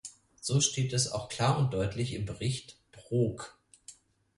So steht es auch klar und deutlich im Bericht Brok.